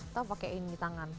atau pakai ini tangan